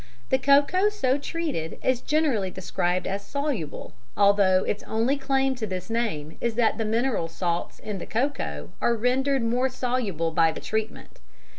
The cocoa so treated is generally described as "soluble," although its only claim to this name is that the mineral salts in the cocoa are rendered more soluble by the treatment.